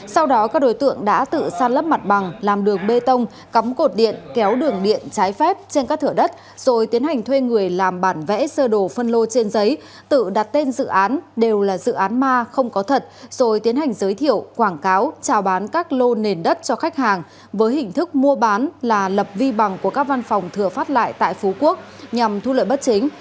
sau đó các đối tượng đã tự săn lấp mặt bằng làm đường bê tông cắm cột điện kéo đường điện trái phép trên các thửa đất rồi tiến hành thuê người làm bản vẽ sơ đồ phân lô trên giấy tự đặt tên dự án đều là dự án ma không có thật rồi tiến hành giới thiệu quảng cáo trào bán các lô nền đất cho khách hàng với hình thức mua bán là lập vi bằng của các văn phòng thửa phát lại tại phú quốc nhằm thu lợi bất chính